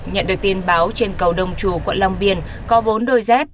nhận được tin báo trên cầu đông chù quận long biên có bốn đôi dép